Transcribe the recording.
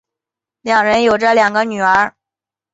两人有着两个女儿。